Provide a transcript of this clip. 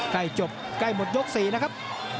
ใกล้จบใกล้หมดยก๔นะครับ